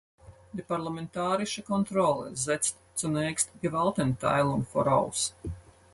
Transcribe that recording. Die parlamentarische Kontrolle setzt zunächst Gewaltenteilung voraus.